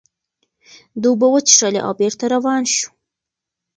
ده اوبه وڅښلې او بېرته روان شو.